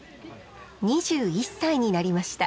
２１歳になりました。